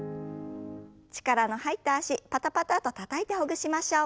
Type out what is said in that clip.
力の入った脚パタパタッとたたいてほぐしましょう。